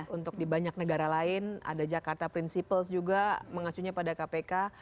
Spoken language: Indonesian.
untuk di banyak negara lain ada jakarta principles juga mengacunya pada kpk